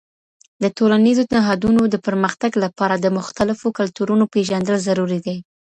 د ټولنیزو نهادونو د پرمختګ لپاره د مختلفو کلتورونو پیژندل ضروري دی.